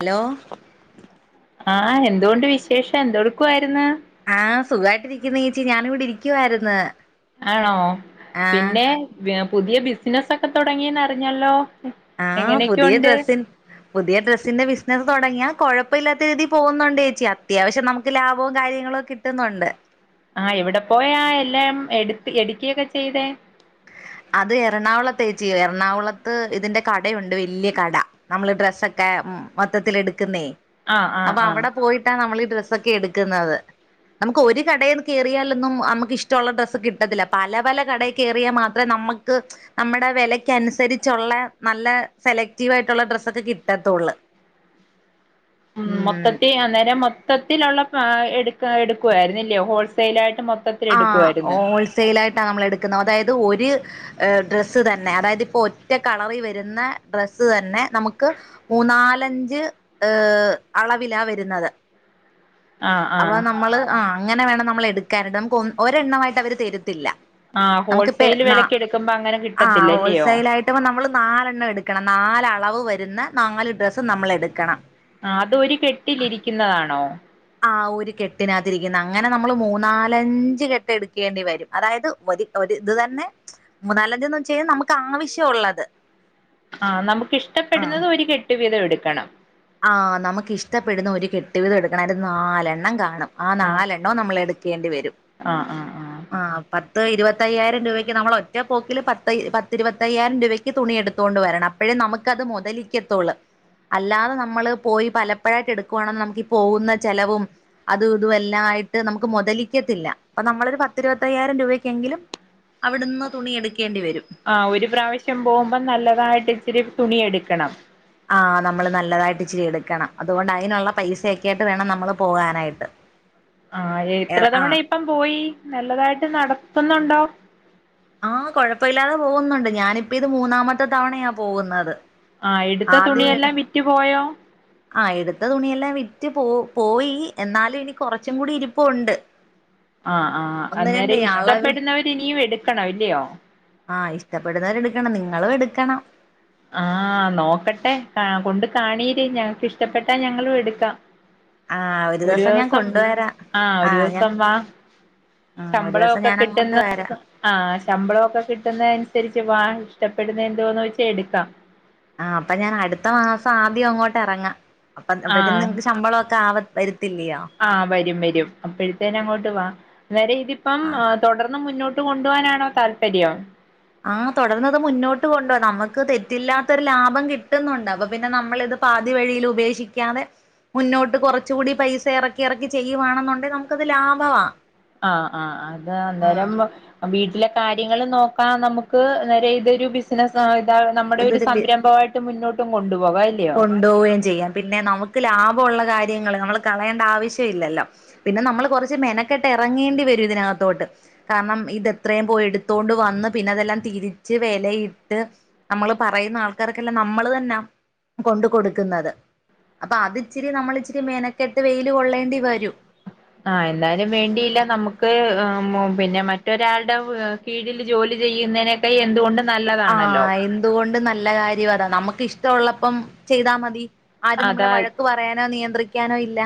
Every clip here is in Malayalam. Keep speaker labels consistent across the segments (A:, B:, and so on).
A: ഹലോ
B: ആഹ് എന്തോവൊണ്ട് വിശേഷം എന്തെടുക്കുവാരുന്നു.
A: ആഹ് സുഖായിട്ടിരിക്കുന്നു ചേച്ചി ഞാന് ഇവിടെ ഇരിക്കുവായിരുന്നു.
B: ആണോ
A: ആഹ്
B: പിന്നെ പുതിയ ബിസിനസ്സ് ഒക്കെ തുടങ്ങിന്ന് അറിഞ്ഞല്ലോ.
A: ആഹ് പുതിയ
B: എങ്ങനെയൊക്കെയുണ്ട്
A: ഡ്രസ്സിൻ പുതിയ ഡ്രസ്സിന്റെ ബിസിനസ് തുടങ്ങിയ കുഴപ്പമില്ലാത്ത രീതിൽ പോകുന്നുണ്ട് ചേച്ചി അത്യാവശ്യം നമുക്ക് ലാഭവും കാര്യങ്ങളൊ കിട്ടുന്നുണ്ട്.
B: ആഹ് എവിടെ പോയാ എല്ലാം എടുത്ത് എടുക്കിയൊക്കെ ചെയ്തേ.
A: അത് എറണാകുളത്ത് ചേച്ചി എറണാകുളത്ത് ഇതിന്റെ കടയുണ്ട് വലിയ കട. നമ്മള് ഡ്രസ്സൊക്കെ മൊത്തത്തിൽ എടുക്കുന്നേ
B: ആഹ് ആഹ്
A: അപ്പൊ
B: ആഹ്
A: അവിടെ പോയി ട്ടാ നമ്മൾ ഈ ഡ്രസ്സൊക്കെ എടുക്കുന്നത്. നമുക്ക് ഒരു കടയിൽ കയറിയാലൊന്നും നമുക്ക് ഇഷ്ടമുള്ള ഡ്രസ്സ് കിട്ടത്തില്ല. പല പല കടയിൽ കയറിയാൽ മാ ത്ര നമ്മക്ക് നമ്മടെ വിലക്ക് അനുസരിച്ചുള്ള നല്ല സെലക്റ്റീവ് ആയിട്ടുള്ള ഡ്രസ്സൊക്കെ കിട്ടത്തോള്ളൂ.
B: ഉം മൊത്തത്തി അന്നേരം മൊ മൊത്തത്തിലുള്ള എടുക്ക എടുക്കുവായിരുന്നില്ലയോ ഹോൾസൈൽ ആയിട്ട് മൊത്തത്തി
A: ആഹ് ഹോൾസെയിൽ ആയിട്ടാണ് നമ്മൾ എടുക്കുന്നത്, അതായത് ഒരു ഡ്രസ്സ് തന്നെ അതായത് ഇപ്പോ ഒറ്റ കളറിൽ വരുന്ന ഡ്രസ്സ് തന്നെ നമുക്ക് മൂന്നാലഞ്ച് ഏ അളവില വരുന്നത്.
B: ആഹ്
A: അപ്പോ
B: ആഹ്
A: നമ്മള് ആ അങ്ങനെ വേണം നമ്മൾ എടുക്കാന്, നമുക്ക് ഒ ഒരെണ്ണമായിട്ട് അവര് തരത്തില്ല.
B: ആഹ്
A: നമുക്കിപ്പേ
B: ഹോൾസെയിൽ
A: നാ
B: വിലക്ക് എടുക്കുമ്പോ അങ്ങനെ
A: ആഹ്
B: കിട്ടത്തില്ല ഇല്ലയോ
A: ഹോൾസൈലായിട്ട് മാക്സിമം നമ്മൾ നാലെണ്ണം എടുക്കണം നാല് അളവ് വരുന്ന നാല് ഡ്രസ്സ് നമ്മൾ എടുക്കണം.
B: ആഹ് അതൊരു കെട്ടിലിരിക്കുന്നതാണോ?
A: ആഹ് ഒരു കെട്ടിനകത്തിരിക്കുന്ന അങ്ങനെ നമ്മൾ മൂന്നാലഞ്ച് കെട്ട് എടുക്കേണ്ടി വരും, അതായത് ഒ ഒരു ഇത് തന്നെ മൂന്നാലഞ്ചന്ന് വെച്ച് കഴിഞ്ഞാൽ നമുക്ക് ആവശ്യ ഉള്ളത്.
B: ആഹ് നമുക്ക് ഇഷ്ടപ്പെടുന്നത് ഒരു കെട്ട് വീതം എടുക്കണം.
A: ആഹ് നമുക്ക് ഇഷ്ടപ്പെടുന്ന ഒരു കെട്ടുവീതം എടുക്കണം അതിന്റെ നാലെണ്ണം കാണും. ആ
B: ആഹ്
A: നാലെണ്ണവും നമ്മൾ എടുക്കേണ്ടി വരും.
B: ആഹ് ആഹ്
A: ആഹ് പത്ത് ഇരുപത്തയ്യായിരം രൂപയ്ക്ക് നമ്മളൊറ്റ പോക്കില് പത്ത പത്തിരുപത്തയ്യായിരം രൂപയ്ക്ക് തുണി എടുത്തൊണ്ട് വരണം അപ്പോഴേ നമുക്കത് മുതലിക്കത്തോള്ള് അല്ലാതെ ന നമ്മള് പോയി പലപ്പോഴായിട്ട് എടുക്കുവാണെ നമുക്ക് ഈ പോകുന്ന ചെലവും അതും ഇതും എല്ലാം ആയിട്ട് നമുക്ക് മുതലിക്കത്തില്ല. അപ്പോ നമ്മളൊരു പത്തിരുപത്തയ്യായിരം രൂപക്കെങ്കിലും, അവിടുന്ന് തുണി എടുക്കേണ്ടി വരും.
B: ആഹ്‌ ഒരു പ്രാവശ്യം പോവുമ്പോ നല്ലതായിട്ട് ഇച്ചിരി തുണിയെടുക്കണം.
A: ആഹ്‌ നമ്മള് നല്ലതായിട്ട് ഇച്ചിരി എടുക്കണം. അതുകൊണ്ട് അയിനുള്ള പൈസയൊക്കെ ആയിട്ട് വേണം നമ്മൾ പോകാനായിട്ട്.
B: ആഹ് എത്ര
A: ആ
B: തവണ ഇപ്പം പോയി നല്ലതായിട്ട് നടത്തുന്നുണ്ടോ?
A: ആഹ്‌ കൊഴപ്പമില്ലാതെ പോകുന്നുണ്ട് ഞാനിപ്പ ഇത് മൂന്നാമത്തെ തവണയാ പോകുന്നത്.
B: ആഹ്‌ ഇടുത്ത തുണിയെല്ലാം വിറ്റു പോയോ?
A: ആഹ്‌ എടുത്ത തുണിയെല്ലാം വിറ്റ് പോ പോയി, എന്നാലും ഇനി കൊറച്ചും കൂടി ഇരിപ്പുണ്ട്.
B: ആഹ്‌ ആ
A: ഒന്ന് രണ്ടേ
B: അന്നേരം
A: അളവ്
B: ഇഷ്ടപ്പെടുന്നവര് ഇനിയും എടുക്കണം ഇല്ലയോ?
A: ആഹ് ഇഷ്ടപ്പെടുന്നവരെടുക്കണം നിങ്ങളും എടുക്കണം.
B: ആഹ്‌ നോക്കട്ടെ കാ കൊണ്ട് കാണീര് ഞങ്ങക്ക് ഇഷ്ടപ്പെട്ടാ ഞങ്ങളും എടുക്കാം.
A: ആഹ്
B: ഒരു
A: ദിവസം ഞാൻ
B: ദെവസം
A: കൊണ്ടുവരാ
B: ആഹ്‌ ഒരു
A: ആഹ് ഞാൻ
B: ദെവസം വാ.
A: ആഹ് ഒരു ദിവസം
B: ശമ്പളോക്കെ
A: ഞാൻ അങ്ങോട്ട്
B: കിട്ടുന്ന
A: വരാം
B: ആഹ്‌ ശമ്പളോക്കെ കിട്ടുന്നനുസരിച്ച് വാ ഇഷ്ടപ്പെടുന്ന എന്തോന്ന് വെച്ചാ എടുക്കാം.
A: ആഹ്‌ അപ്പൊ ഞാൻ അടുത്ത മാസം ആദ്യം അങ്ങോട്ട് എറങ്ങാ. അപ്പ അപ്പത്തെന്
B: ആഹ്
A: നിങ്ങക്ക് ശമ്പളമൊക്കെ ആവ വെരും. തില്ല്യയാ.
B: ആഹ് വരും വരും അപ്പോഴത്തേന്നെ അങ്ങോട്ട് വാ. അന്നേരം ഇതിപ്പം
A: ആഹ്
B: തുടർന്ന് മുന്നോ ട്ട് കൊണ്ടു പോകാനാണോ താല്പര്യം.
A: ആഹ്‌ തുടർന്നത് മുന്നോട്ട് കൊണ്ടു പോണം. നമുക്ക് തെറ്റില്ലാത്തൊരു ലാഭം കിട്ടുന്നുണ്ട്. അപ്പൊ പിന്നെ നമ്മളിത് പാതി വഴിയിൽ ഉപേക്ഷിക്കാതെ മുന്നോട്ട് കുറച്ചു കൂടി പൈസ എറക്കി എറക്കി ചെയ്യുവാണെന്നുണ്ടെ നമുക്കത് ലാഭവാ.
B: ആഹ്‌ ആ അത്
A: ആഹ്
B: അന്നേരം വ വീട്ടിലെ കാര്യങ്ങളും നോക്കാ നമുക്ക് അന്നേരം ഇതൊരു ബിസ് നസായി ഇത നമ്മുടെ ഒരു
A: ഇതൊരു ബി
B: സംരംഭമായിട്ട് മുന്നോട്ടും കൊണ്ടുപോവാലെ.
A: കൊണ്ടുപോവുകയും ചെയ്യാം. പിന്നെ നമുക്ക് ലാഭമുള്ള കാര്യങ്ങള് നമ്മൾ കളയേണ്ട ആവശ്യം ഇല്ലല്ലോ. പിന്നെ നമ്മള് കൊറച്ച് മെനക്കെട്ട് എറങ്ങേണ്ടി വരും ഇതിനകത്തോട്ട്. കാരണം ഇതെത്രയും പോയി എടുത്തോണ്ട് വന്ന് പിന്നെ അതെല്ലാം തിരിച്ച് വെലയിട്ട്, നമ്മള് പറയുന്ന ആൾക്കാർക്കെല്ലാം നമ്മള് തന്നാ കൊണ്ട് കൊടുക്കുന്നത്. അപ്പൊ അത്ച്ചിരി നമ്മൾ ഇച്ചിരി മെനക്കെട്ട് വെയില് കൊള്ളേണ്ടി വരും.
B: ആഹ്‌ എന്തായാലും വേണ്ടിയില്ല നമ്മുക്ക് ഏഹ് മൊ പിന്നെ മറ്റൊരാളുടെ ഏഹ് കീഴിൽ ജോലി ചെയ്യുന്നതിനേകായി എന്തുകൊണ്ടും
A: ആഹ്‌ എന്തുകൊണ്ടും നല്ല കാര്യ അതാ. നമ്മുക്ക് ഇഷ്ടം ഉള്ളപ്പം ചെയ്താ മതി. ആരും നമ്മളെ
B: അതാ
A: വഴക്ക് പറയാനോ നിയന്ത്രിക്കാനോ ഇല്ല.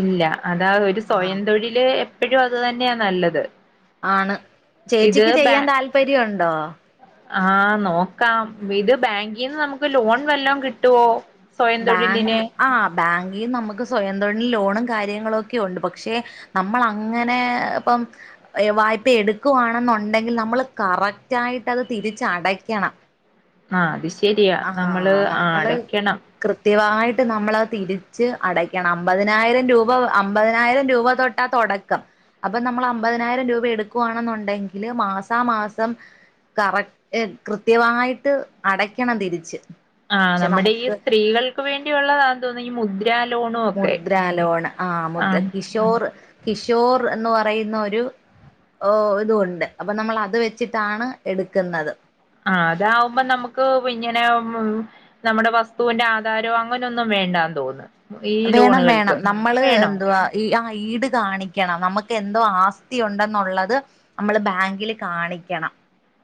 B: ഇല്ല. അതാ ഒരു
A: ആഹ്
B: സ്വയം തൊഴില് എപ്പഴും അത് തന്നെയ നല്ലത്.
A: ആണ്.
B: ഇത്
A: ചേച്ചിക്ക്
B: ബാ
A: ചെയ്യാൻ താല്പര്യം ഉണ്ടോ?
B: ആഹ് നോക്കാം. ഇത് ബാങ്കിൽന്ന് നമുക്ക് ലോൺ വെല്ലോം കിട്ടുവോ? സ്വയം തൊഴിലിന്.
A: ബാങ്കിന്ന് നമുക്ക് സ്വയം തൊഴിൽ ലോണും കാര്യങ്ങളും ഒക്കെയുണ്ട് പക്ഷെ നമ്മളങ്ങനെ ഇപ്പം വായ്പ എടുക്കുവാണെന്നുണ്ടെങ്കിൽ നമ്മൾ കറക്റ്റ് ആയിട്ട് അത് തിരിച്ചടക്കണം.
B: ആഹ്‌ അത് ശരിയാ നമ്മള് ആഹ്
A: നമ്മള്
B: അടക്കണം.
A: കൃത്യമായിട്ട് നമ്മളത് തിരിച്ച് അടക്കണം. അമ്പതിനായിരം രൂപ അമ്പതിനായിരം രൂപ തൊ ട്ടാ തൊടക്കം. അപ്പൊ നമ്മള് അമ്പതിനായിരം രൂപ എടുക്കവാണെന്നുണ്ടെങ്കില് മാസാ മാസം കറക് ഏർ കൃത്യമായിട്ട് അടക്കണം തിരിച്ച്.
B: ആഹ്‌
A: പക്ഷെ
B: നമ്മുടെ ഈ
A: നമുക്ക്
B: സ്ത്രീകൾക്ക് വേണ്ടിയുള്ളതാന്ന് തോന്നു ഈ മുദ്ര ലോണു ഒക്കെ.
A: ആഹ്‌ മു
B: ആഹ്
A: കിഷോർ കിഷോർ എന്ന് പറയുന്ന ഒരു ഓഹ്‌ ഇതൂണ്ട് അപ്പൊ നമ്മൾ അത് വെച്ചിട്ടാണ് എടുക്കുന്നത്
B: ആഹ്‌ അതാവുമ്പോ നമുക്ക് പിങ്ങനെ നമ്മുടെ വസ്തുന്റെ ആധാരോ അങ്ങനെന്നും വേണ്ടാന്ന് തോന്ന്ണ്.
A: വേണം വേണം നമ്മള് എന്തുവാ ഈ ആഹ്‌ ഈട് കാണിക്കണം നമുക്ക് എന്തോ ആസ്തി ഉണ്ടെന്നുള്ളത് നമ്മള് ബാങ്കില് കാണിക്കണം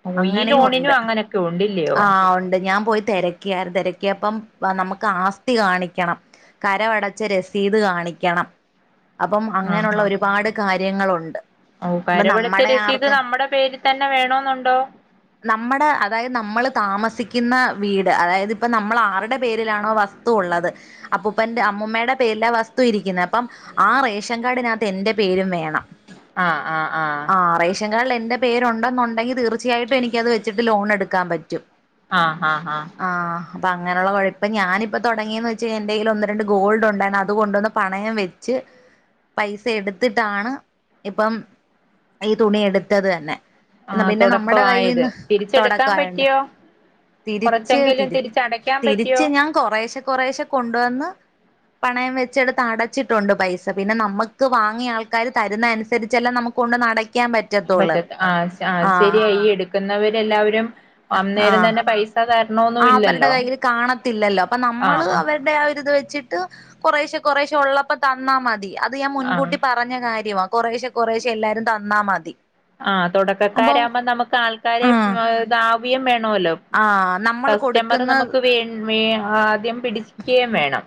B: ഓഹ് ഈ
A: അങ്ങനെയു ഉണ്ട്
B: ലോണിനും അങ്ങനൊക്കെ ഉണ്ടില്ലയോ
A: ആഹ് ഉണ്ട് ഞാൻ പോയി തെര. ക്കാര് തെരക്കിയപ്പം നമുക്ക് ആസ്തി കാണിക്കണം. കരവടച്ച് രസീത് കാണിക്കണം അപ്പം
B: ആഹ്
A: അങ്ങനെള്ള
B: ആഹ്
A: ഒരുപാട് കാര്യങ്ങളുണ്ട്.
B: ഓഹ്
A: അപ്പൊ
B: കരവടിച്ച
A: നമ്മടെ
B: രസീദ്
A: ആർക്കും
B: നമ്മുടെ പേരിൽ തന്നെ വേണോന്നുണ്ടോ?
A: നമ്മുടെ അതായത് നമ്മൾ താമസിക്കുന്ന വീട് അതായത് ഇപ്പ നമ്മൾ ആരുടെ പേരിലാണോ വസ്. തു ഉള്ളത് അപ്പൊ. അപ്പൊ എന്റെ അമ്മൂമ്മയുടെ പേരിലാ വസ്തു ഇരിക്കുന്നെ അപ്പം ആ റേഷൻ കാഡിനകത്ത് എന്റെ പേരും വേണം.
B: ആഹ് ആഹ് ആഹ്.
A: ആഹ് റേഷൻ കാഡിൽ എന്റെ പേരുണ്ടെന്നുണ്ടെങ്കി തീർച്ചയായിട്ടും എനിക്കത് വെച്ചിട്ട് ലോൺ എടുക്കാൻ പറ്റും.
B: ആഹ് ആഹ് ആഹ്
A: ആഹ് അപ്പൊ അങ്ങനുള്ള കൊയപ്പം ഞാനിപ്പോ തുടങ്ങിന്ന് വെച്ചാ എന്തേങ്കിലും ഒന്ന്. രണ്ട് ഗോൾഡുണ്ടായിരുന്നു അതുകൊണ്ടന്ന് പണയം വെച്ച്. പൈസ എടുത്തിട്ടാണ് ഇപ്പം. ഈ തുണി എടുത്തത് തന്നെ
B: ആഹ്
A: പിന്നെ നമ്മുടെ
B: തുടക്കമായത്
A: കൈയ്യ്ന്ന്
B: തിരിച്ചെടുക്കാൻ
A: തൊടക്കായോണ്ട്.
B: പറ്റിയോ
A: തിരിച്ച്
B: കുറച്ചെങ്കിലും
A: തിരി
B: തിരിച്ചടയ്ക്കാൻ പറ്റിയോ
A: തിരിച്ച് ഞാൻ കൊറേശെ കൊറേശെ കൊണ്ടുവന്ന്. പണയം വെച്ചെടുത്ത് അടച്ചിട്ടുണ്ട് പൈസ പിന്നെ നമ്മക്ക് വാങ്ങിയ ആൾക്കാര് തരുന്ന അനുസരിച്ചെല്ലെ നമ. കൊണ്ടന്ന് അടക്കാൻ പറ്റ്.
B: പറ്റത്ത് ആ ആ ശരിയ ഈ എടുക്കുന്നവര് എല്ലാവരും അന്നേരം തന്നെ പ സ തര്ണോ.
A: ആ അവരുടെ കയ്യിൽ കാണത്തില്ലല്ലോ അപ്പൊ നമ്മള്
B: ആഹ് ആഹ്
A: അവരുടെ ആഒര്ത് വെച്ച്. ട്ട് കൊറേശെ കൊറേശെ ഉള്ളപ്പോ തന്നാ മതി അത് ഞാൻ
B: ആഹ്
A: മുൻകൂട്ടി പർ പഞ്ഞ കാര്യവാ കൊറേശെ കൊറേശെ എല്ലാരും തന്നാ മതി.
B: ആഹ്
A: അപ്പം
B: തൊടക്കക്കാരാവുമ്പോ നമുക്ക് ആൾക്കാരെ
A: ആഹ്
B: ഇദാവ്യം വേണല്ലോ.
A: ആഹ് നമ്മള്
B: കസ്റ്റമർ
A: കൊടുക്കുന്ന
B: നമുക്ക് വേ വേം ആദ്യം പിടിച്ച്ക്കയും വേണം.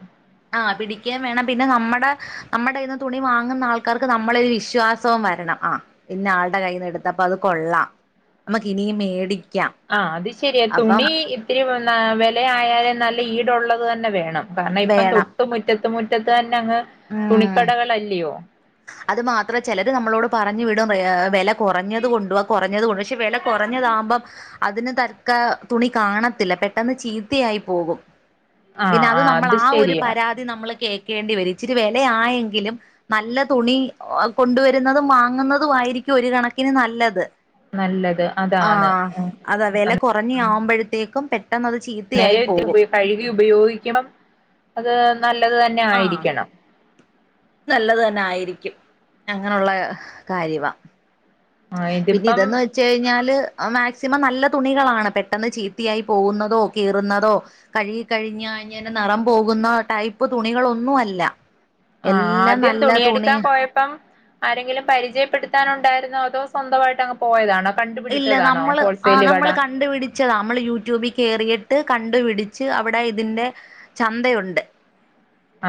A: ആഹ പിടിക്കയും വേണം പിന്നെ നമ്മുടെ നമ്മുടെ ഇന്ന് തുണി വാങ്ങുന്ന ആൾക്കാർക്ക് നമ്മളൊരു വിശ്വാസവും വരണം ആഹ്. പിന്നെ ആളുടെ കയ്യിന്ന് എടുത്തപ്പൊ അത് കൊള്ളാം നമ്മുക്ക് ഇനിയും മേടി.
B: ആഹ് അത് ശെരിയ തുണി ഇത്തിരി വെല ആയാലും നല്ല ഈടുള്ളത് തന്നെ വേണം. കാര്ണം ഇപ്പം
A: വേണം
B: തൊട്ട് മുറ്റത്ത് മുറ്റത്ത് തന്നെ അങ്ങ്
A: ഉം
B: തുണിക്കടകളല്ലയോ.
A: അത് മാത്രേ ചെലര് നമ്മളോട് പറഞ്ഞു വിടും ഏഹ് വെല കൊറഞ്ഞത് കൊണ്ടുവ കൊറഞ്ഞത് കൊണ്ട് പക്ഷെ വെല കൊറഞ്ഞതാവുമ്പം. അതിന് തക്ക തുണി കാണത്തില്ല പെട്ടെന്ന് ചീത്തയായി പോകും. പിന്നെ
B: ആഹ്
A: അത്
B: ആഹ്
A: നമ്മൾ ആ ഒരു
B: ശരിയാ
A: പരാ തി നമ്മൾ കേക്കേണ്ടി വരും ഇച്ചിരി വെല ആയെങ്കിലും നല്ല. തുണി ഹ് കൊണ്ടുവരുന്നതും വാങ്ങുന്നതും ആയിരിക്കും ഒരു കണക്കിന് നല്ലത്.
B: നല്ലത് അതാണ്.
A: അത് അതേന്നെ കൊറഞ്ഞെ ആവുമ്പഴത്തേക്കും പെട്ടെന്ന് അത് ചീത്ത.
B: നേരെ പോയി അത്‌ കഴുകി ഉപയോഗിക്കണം അത് നല്ലത് ത
A: ആഹ്. നല്ലത് തന്നെ ആയിരിക്കും അങ്ങനെയുള്ള കാര്യവാ.
B: ആഹ്
A: പിന്നെ
B: ഇതിപ്പം
A: ഇതെന്ന് വെ ച്ച് കഴിഞ്ഞാല് ഒ മാക്സിമം നല്ല തുണികളാണ് പെട്ടെന്ന് ചീത്തിയായി പോവുന്നതോ കീറുന്നതോ. കഴുകി കഴിഞ്ഞ ഴിഞ്ഞനെ നെറം പോകുന്ന ടൈപ്പ് തുണികളൊന്നും അല്ല.
B: ആഹ്
A: എല്ലാം
B: ആദ്യം
A: നല്ല തുണി
B: തുണിയെടുക്കാൻ പോയ പ്പം ആരെങ്കിലും പരിജയപ്പെടുത്താനുണ്ടായിരുന്നോ അതോ സ്വന്തവായിട്ട് അങ്ങ് പോയതാണോ കണ്ടുപിടിച്ചതാണോ ഹോൾസെയ്ൽ കട.
A: ച്ച് നമ്മൾ യൂട്യൂബിൽ കേറിയിട്ട് കണ്ടുപിടിച്ച് അവിടെ ഇതിന്റെ ചന്തയുണ്ട്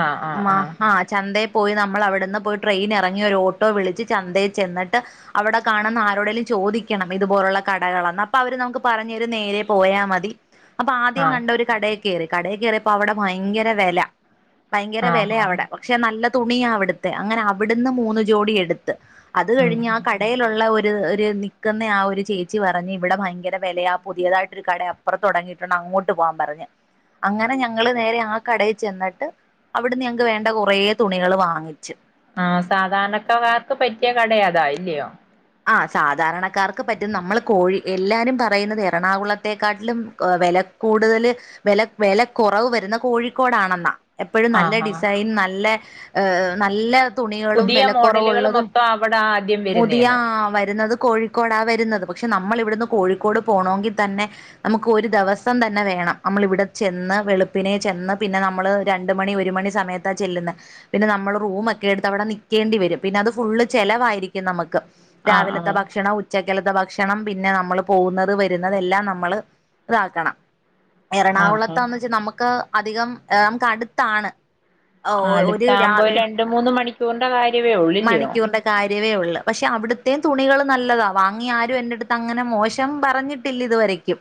B: ആഹ് ആഹ് ആഹ്
A: മഹാ ചന്തേ പോയി നമ്മൾ അവിട്ന്ന് പോയി ട്രെയിൻ എറങ്ങി ഒരു ഓട്ടോ വിളിച്ച് ചന്തെയ് ചെന്നിട്ട് അവിടെ കാണുന്ന ആരോടേലും ചോദി ക്കണം ഇതുപോലുള്ള കടകളെന്ന് അപ്പൊ അവര് നമുക്ക് പറഞ്ഞരും നേരെ പോയാ മതി അപ്പൊ ആദ്യം
B: ആഹ്
A: കണ്ടൊരു കടേ കേറി കടയി കേറിയപ്പോ അവിടെ ഭയങ്കര വെല ഭയങ്കര
B: ആഹ്
A: വെലയ
B: ആഹ്
A: അവിടെ പക്ഷെ നല്ല തുണിയ അവിടുത്തെ അങ്ങനെ അവിടുന്ന് മൂന്ന് ജോടി എടു ത്ത് അത് കഴിഞ്ഞ്
B: ഉം
A: ആ കടയിലുള്ള ഒരു ഒരു നി ക്കുന്ന ആ ഒരു ചേച്ചി പറഞ്ഞ് ഇവിടെ ഭയങ്കര വെലയ പുതിയതായിട്ടൊരു കടയ അപ്പുറ തുടങ്ങിയിട്ടണ്ട് അങ്ങോട്ട് പോവാൻപറഞ്ഞ് അങ്ങനെ ഞങ്ങള് നേരെ ആ കടയി ചെന്നിട്ട് അവിടുന്ന് ഞങ്ങക്ക് വേണ്ട കുറേ തുണികള് വാങ്ങിച്ച്
B: ആഹ് സാധാരണക്കക്കാർക്ക് പറ്റിയ കട അതാ ഇല്ലിയോ
A: ആ സാധാരണക്കാർക്ക് പറ്റും നമ്മൾ കോഴി എല്ലാരും പറയുന്നത് എറണാകുളത്തെക്കാട്ടിലും വെല കൂടുതല് വെല വെല കുറവ് വരുന്ന കോഴിക്കോടാണെന്നാ എപ്പഴും നല്ല
B: ആഹ് ആഹ്
A: ഡിസൈൻ നല്ല ഹ് നല്ല തുണികളും
B: പുതിയ മോഡലുകൾ
A: വെലക്കുറവുള്ളതും
B: മൊത്തം അവിടെ ആദ്യം
A: പുതിയ
B: വരുന്നേന്ന്
A: ആ വരുന്നത് കോഴിക്കോടാ വരുന്നത് പക്ഷെ നമ്മള് ഇവിടുന്ന് കോഴിക്കോട് പോണോങ്കി തന്നെ നമുക്ക് ഒരു ദിവസം തന്നെ വേണം നമ്മള് ഇവിടെ ചെന്ന് വെളുപ്പിനെ ചെന്ന് പിന്നെ നമ്മള് രണ്ട് മണി ഒരുമണി സമയത്താ ചെല്ലുന്ന പിന്നെ നമ്മൾ റൂമൊക്കെ എടുത്ത് അവിടെ നിക്കേണ്ടി വരും പിന്നെ അത് ഫുള്ള് ചെലവായിരിക്കും നമ്മക്ക്
B: ആഹ്
A: രാവിലത്തെ
B: ആഹ്
A: ഭക്ഷണം ഉച്ചക്കലത്തെ ഭക്ഷണം പിന്നെ നമ്മള് പോകുന്നത് വരുന്നത് എല്ലാം നമ്മള് ഇതാക്കണം
B: ആഹ് ആഹ്
A: എറണാകുളത്തന്ന് വെച്ചാ നമുക്ക് അധികം ഏഹ് നമുക്കടുത്താണ്
B: ആ അടുത്താവുമ്പോ രണ്ട് മൂന്ന് മണിക്കൂറിന്റെ കാര്യവെ ഉള്ളു ഇല്ലിയോ
A: മണിക്കൂറിന്റെ കാര്യവേ ഉള്ള് പക്ഷെ അവിടു അവിടുത്തെയും തുണികള് നല്ലതാ വാങ്ങിയ ആരു എന്നെടുത്ത് അങ്ങനെ മോശം പറഞ്ഞിട്ടില്ല ഇതുവരക്കും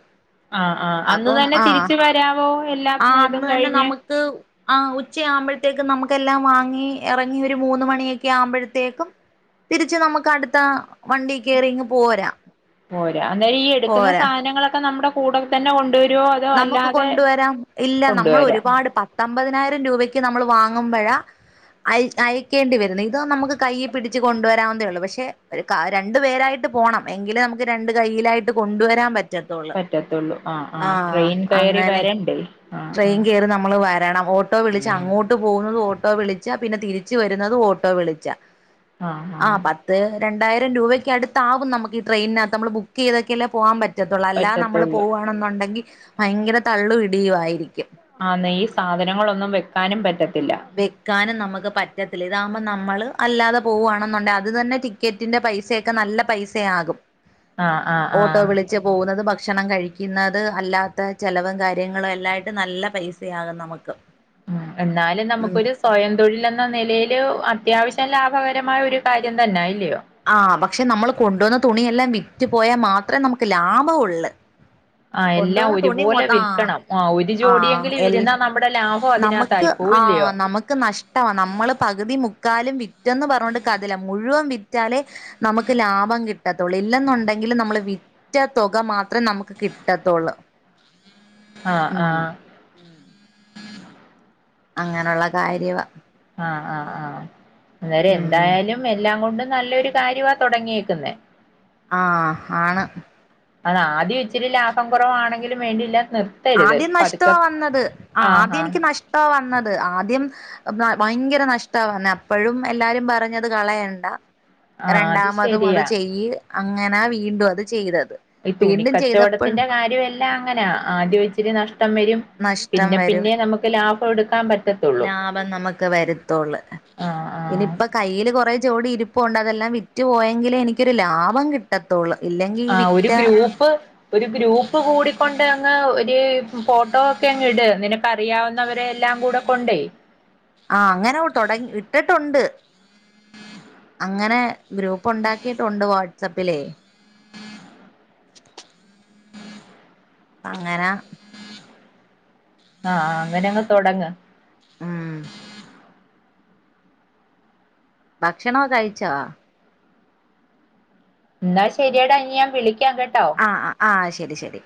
B: അഹ് ആഹ് അന്ന്
A: അപ്പം
B: തന്നെ
A: ആഹ്
B: തിരിച്ച് വരാവോ എല്ലാ ഇതും കഴിഞ്ഞ്
A: ത് ആ ഉച്ച ആവുമ്പഴത്തേക്കും നമുക്കെല്ലാം വാങ്ങി ഇറങ്ങി ഒരു മൂന്ന് മണിയൊക്കെ ആവുമ്പഴത്തേക്കും തിരിച്ചു നമുക്ക് അടുത്ത കയറി ഇങ്ങ് പോരാ
B: പോരാനേരി ഈ എടുക്കുന്ന
A: പോരാ
B: സാധനങ്ങളൊക്കെ നമ്മുടെ കൂടെ തന്നെ കൊണ്ടുവരുവോ അതോ
A: നമുക്ക്
B: അല്ലാതെ
A: കൊണ്ടുവരാം ഇല്ല നമ്മൾ
B: കൊണ്ടുവരാ
A: ഒരുപാട് പ തമ്പതിനായിരം രൂപയ്ക്ക് നമ്മള് വാങ്ങുമ്പഴാ അയ് അയക്കേണ്ടി വരുന്നു ഇത് നമുക്ക് കയ്യ് പിടിച്ച് കൊണ്ടുവരാവുന്നതേ ഉള്ളൂ പക്ഷെ ഒരു ക രണ്ടു പേരായിട്ട് പോണം എങ്കിലെ നമുക്ക് രണ്ട് കൈയിലായിട്ട് കൊണ്ടുവരാൻ പറ്റത്തൊള്ളൂ
B: പറ്റത്തൊള്ളൂ അഹ് ആഹ് ട്രെയിൻ കയറി
A: അങ്ങനെ
B: വരണ്ടേ ആഹ്
A: ട്രെയിൻ
B: ആഹ്
A: കേറി നമ്മള് വരണം ഓട്ടോ വിളിച്ച അങ്ങോട്ട് പോകുന്നത് ഓട്ടോ വിളിച്ചാ പിന്നെ തിരി ച്ച് വരുന്നത് ഓട്ടോ വിളിച്ച
B: ആ
A: ആഹ് പ അ രണ്ടായിരം രൂപയ്ക്ക് അടുത്താവും നമുക്ക് ട്രെയിനത്ത് നമ്മള് ബുക്ക് ചെയ്തൊക്കെല്ലെ പോവാൻ പ റ്റത്തൊള്ളൂ അല്ല നമ്മള്
B: പറ്റത്തുള്ളൂ
A: പോകുവാണുന്നുണ്ടെങ്കിൽ ഭയങ്കര തള്ളും ഇടിയുയിരിക്കും
B: ആന്നെ ഈ സാധനങ്ങളൊന്നും വെക്കാനും പറ്റത്തില്ല
A: വെക്കാനും നമുക്ക് പറ്റത്തില്ല ഇതാകുമ്പോൾ നമ്മള് അല്ലാതെ പോവുകവാണെന്നുണ്ടെ അത് തന്നെ ടി ടിക്കറ്റിന്റെ പൈസൊക്കെ നല്ല പൈസയാകും
B: ആഹ് ആഹ് ആഹ്
A: ഓട്ടോ വിളി വച്ച് പോകുന്നത് ഭക്ഷണം കഴിക്കുന്നത് അല്ലാത്ത ചിലവും കാര്യങ്ങളും എല്ലായിട്ടും നല്ല പൈസയാകും നമുക്ക്
B: എന്നാലു
A: ഉം
B: നമുക്കൊരു സ്വയം തൊഴിലെന്ന നിലയില് അത്യാവശ്യം ലാഭകരമായ ഒരു കാര്യം തന്നെ ഇല്ലിയോ
A: ആ പക്ഷെ നമ്മള് കൊണ്ടുവന്ന തുണിയെല്ലാം വിറ്റു പോയാ മാത്രമേ നമുക്ക് ലാഭള്ളൂ
B: ആ എല്ലാം ഒരുപോലെ
A: ആഹ്
B: വിൽക്കണം ആ ഒരു
A: ആഹ്
B: ജോഡിയെങ്കില്
A: എൽ
B: ഇരുന്ന നമ്മുടെ ലാ
A: നമുക്ക് ആ നമുക്ക് നഷ് കിട്ടവാ നമ്മള് പകുതി മുക്കാലും വിറ്റന്ന് പറഞ്ഞുകൊണ്ട് കഥല്ല മുഴുവൻ വിറ്റാലേ നമുക്ക് ലാഭം കിട്ടത്തുള്ളൂ ഇല്ലെന്നുണ്ടെങ്കിൽ നമ്മള് വി വിറ്റ തുക മാത്രം നമുക്ക് കിട്ടത്തൊള്ളൂ
B: ആഹ് ആഹ്
A: അങ്ങനെയുള്ള കാര്യവാ
B: ആഹ് ആഹ് ആഹ്
A: ഉം
B: അന്നേരെന്തായാലും എല്ലാം കൊണ്ടും നല്ലൊരു കാര്യവാ തൊടങ്ങീക്കന്നേ
A: ആഹ് ആണ്
B: ആദ്യത്തിരി ലാഭം കൊറവാണെങ്കിലും വേണ്ടില്ല നിർ
A: ആദ്യം നഷ്ടാ വന്നത് ആ ആദ്യം
B: ആഹ്
A: എനിക്ക് നഷ്ടാ വന്നത് ആദ്യം ഭയങ്കര നഷ്ടാവന്നേ അപ്പഴും എല്ലാരും പറഞ്ഞത് കളയണ്ട.
B: ആഹ് അത്
A: രണ്ടാമതും അത്
B: ശരിയാ
A: ചെയ്യ് അങ്ങനാ വീണ്ടും അത് ചെയ്തത്.
B: ഈ
A: വീണ്ടും ചെയ്തപ്പഴും
B: തുണിക്കച്ചവടത്തിന്റെ കാര്യംവെല്ലാം അങ്ങനാ ആദ്യം ഇച്ചിരി നഷ്ടം വരും.
A: നഷ്ടം
B: പിന്നെ
A: വരും
B: പിന്നെ നമുക്ക് ലാഭം എടുക്കാൻ പറ്റത്തുള്ളൂ
A: ലാഭം നമുക്ക് വരുത്തൊള്ളൂ.
B: ആഹ്
A: [unintelligible]
B: ആഹ്
A: പ്പൊ കയ്യില് കൊറേ ജോഡി ഇരുപ്പൊണ്ട് അതെല്ലാം വിറ്റ് പോയെങ്കിലേ എനിക്കൊരു ലാഭം കിട്ടത്തൊള്ള്.
B: ആഹ് ഒരു ഗ്രൂപ്പ് ഒരു ഗ്രൂപ്പ് കൂടിക്കൊണ്ട് അങ്ങ് ഒരു ഫോട്ടോ ഒക്കെ അങ് ഇട് നിനാക്ക് അറിയാവുന്നവരെ എല്ലാം കൂടെ കൊണ്ടേ
A: ആഹ് അങ്ങനെ തൊടങ്ങി ഇട്ടിട്ടുണ്ട്. ങ്ങനെ ഗ്രൂപ്പുണ്ടാക്കിയിട്ടുണ്ട് വാട്സപ്പിലേ അങ്ങനെ
B: ആഹ് അങ്ങനങ്ങ് തൊടങ്ങ്
A: ഉം ഭക്ഷണോ കഴിച്ചോ?
B: ന്നാ ശരിയടാ ഇഞ്ഞ് ഞാൻ വിളിക്കാം കെ
A: ആഹ് ആഹ് ശരി ശരി